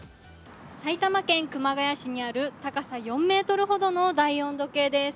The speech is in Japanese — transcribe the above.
埼玉県熊谷市にある高さ４ｍほどの大温度計です。